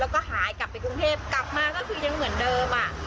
แล้วก็หายกลับไปกรุงเทพกลับมาก็คือยังเหมือนเดิมอ่ะ